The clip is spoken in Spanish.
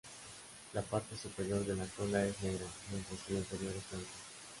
La parte superior de la cola es negra, mientras que la inferior es blanca.